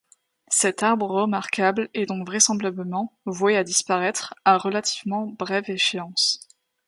Cet arbre remarquable est donc vraisemblablement voué à disparaître à relativement brève échéance.